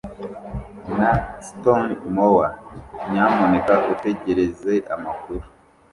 na Stanmore Nyamuneka utegereze amakuru".